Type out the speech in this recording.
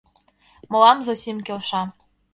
Мылам Зосим келша».